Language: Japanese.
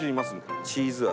チーズ味。